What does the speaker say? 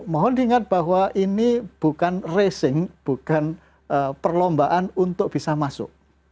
mohon diingat bahwa ini bukan racing bukan perlombaan untuk bisa masuk